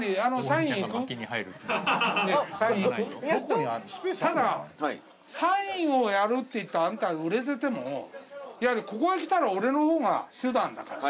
ただサインをやるって言ったあんたら売れててもいわゆるここへ来たら俺の方が主なんだから。